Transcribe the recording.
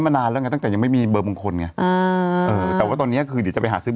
การขึ้นการกลางตอนจบ